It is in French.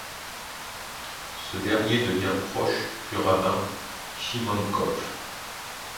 Ce dernier devient proche du rabbin Shimon Kopf.